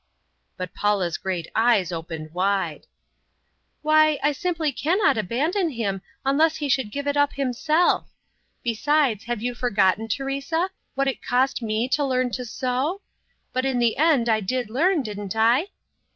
But Paula's great eyes opened wide. "Why! I simply can't abandon him unless he should give it up himself. Besides, have you forgotten, Teresa, what it cost me to learn to sew? But in the end I did learn; didn't I?"